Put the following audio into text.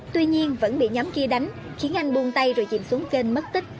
tuy nhiên vẫn bị nhóm kia đánh khiến anh buông tay rồi chìm xuống kênh mất tích